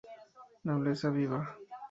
Nobleza viva.